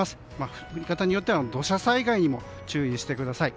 降り方によっては土砂災害にも注意してください。